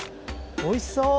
おいしそう！